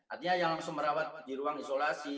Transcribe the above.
artinya yang langsung merawat di ruang isolasi